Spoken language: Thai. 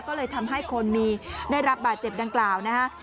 ก็เลยทำให้คนมีได้รับบาดเจ็บดังกล่าวนะฮะ